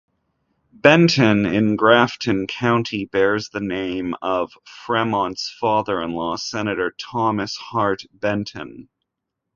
Benton in Grafton County bears the name of Fremont's father-in-law, Senator Thomas Hart Benton.